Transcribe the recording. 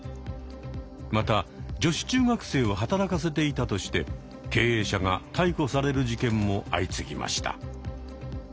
また女子中学生を働かせていたとして経営者が逮捕される事件も相次ぎました。